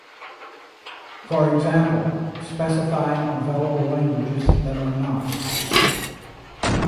For example specifying available languages that are not.